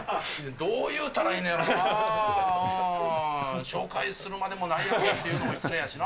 どういうたらええんやろうな、紹介するまでもないやろというのも失礼やしな。